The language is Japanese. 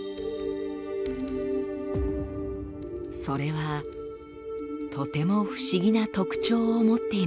それはとても不思議な特徴を持っていました。